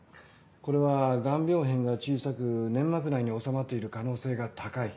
これは癌病変が小さく粘膜内に収まっている可能性が高い。